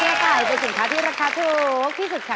อาหารเท่าไหร่เป็นสินค้าที่ราคาถูกที่สุดค่ะ